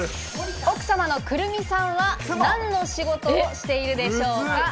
奥様のくるみさんは何の仕事をしているでしょうか？